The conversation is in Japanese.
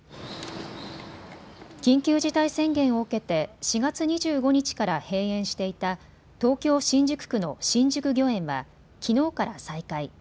緊急事態宣言を受けて４月２５日から閉園していた東京新宿区の新宿御苑はきのうから再開。